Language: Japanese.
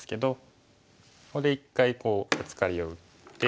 ここで一回ブツカリを打って。